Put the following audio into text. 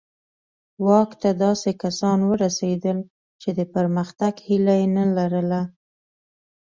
واک ته داسې کسان ورسېدل چې د پرمختګ هیله یې نه لرله.